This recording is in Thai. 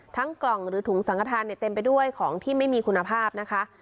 กล่องหรือถุงสังขทานเนี่ยเต็มไปด้วยของที่ไม่มีคุณภาพนะคะ